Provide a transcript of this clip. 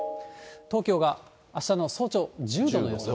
東京があしたの早朝、１０度の予想。